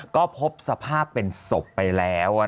ก็พบสภาพเป็นศพไปแล้ว